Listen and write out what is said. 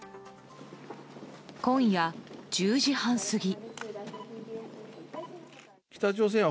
今夜１０時半過ぎ。